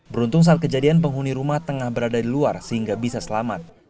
beruntung saat kejadian penghuni rumah tengah berada di luar sehingga bisa selamat